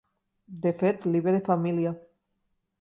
De fet, li ve de família.